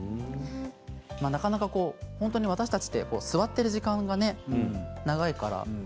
なかなか、私たちって座っている時間がね、長いから。